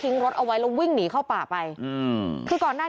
นำนำนำนำ